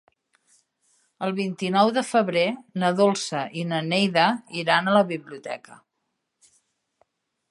El vint-i-nou de febrer na Dolça i na Neida iran a la biblioteca.